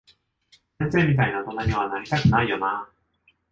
先生みたいな大人には、なりたくないよなぁ。